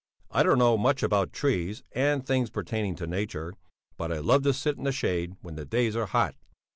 I don't know much about trees and things pertaining to nature, but I love to sit in the shade when the days are hot.